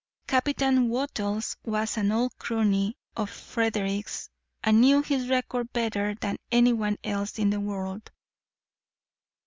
Captain Wattles was an old crony of Frederick's and knew his record better than anyone else in the world.